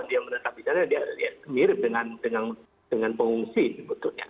dia menetap di sana dia mirip dengan pengungsi sebetulnya